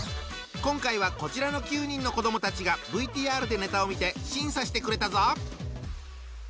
今回はこちらの９人の子どもたちがＶＴＲでネタを見て審査してくれたぞ！